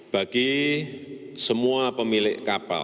bagi kita semua kita harus berhati hati dan berhati hati